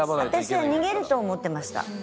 私は逃げると思ってました。